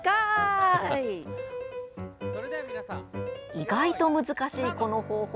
意外と難しいこの方法。